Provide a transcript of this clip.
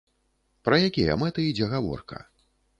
Пра якія мэты ідзе гаворка?